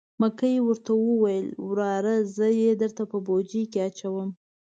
مکۍ ورته وویل: وراره زه یې درته په بوجۍ کې اچوم.